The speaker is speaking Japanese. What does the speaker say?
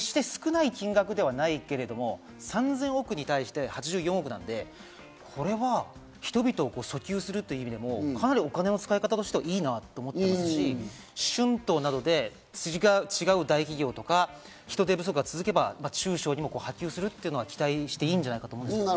決して少ない金額ではないけれども、３０００億に対して８４億なので、これは人々を訴求するという意味でもかなりお金の使い方としてはいいなと思いますし、春闘などで違う大企業とか、人手不足が続けば中小にも波及するというのは期待していいんじゃないかと思います。